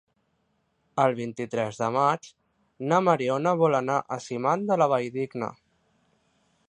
El vint-i-tres de maig na Mariona vol anar a Simat de la Valldigna.